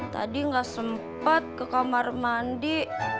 tadi gak sempet ke kamar mandi